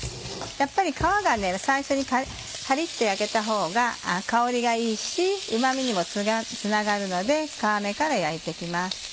やっぱり皮が最初にカリっと焼けたほうが香りがいいしうま味にもつながるので皮目から焼いて行きます。